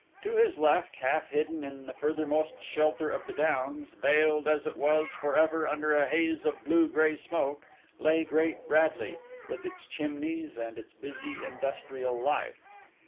To his left, half hidden in the furthermost shelter of the downs, veiled as it was for ever under a haze of blue grey smoke, lay Great Bradley, with its chimneys and its busy industrial life.